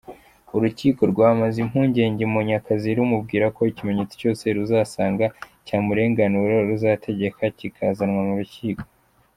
Urukiko rwamaze impungenge Munyakazi rumubwira ko ikimenyetso cyose ruzasanga cyamurenganura ruzategeka kikazanwa mu rukiko.